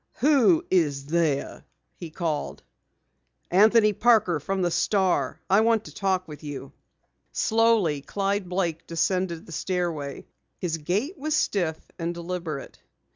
"Who is there?" he called. "Anthony Parker from the Star. I want to talk with you." Slowly Clyde Blake descended the stairway. His gait was stiff and deliberate.